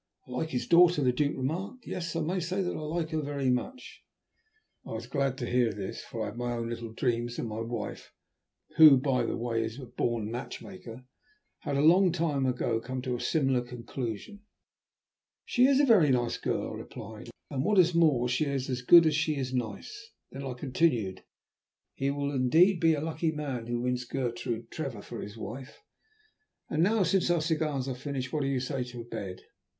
"I like his daughter," the Duke remarked. "Yes, I must say that I like her very much." I was glad to hear this, for I had my own little dreams, and my wife, who, by the way, is a born matchmaker, had long ago come to a similar conclusion. "She is a very nice girl," I replied, "and what is more, she is as good as she is nice." Then I continued, "He will be indeed a lucky man who wins Gertrude Trevor for his wife. And now, since our cigars are finished, what do you say to bed?